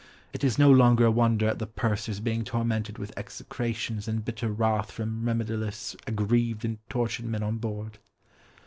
It is no longer a wonder at the pursers being tormented with execrations and bitter wrath from remediless, aggrieved, and tortured men on board."